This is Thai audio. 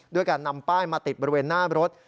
ด้วยการนำป้ายมาติดบริเวณหน้ารถ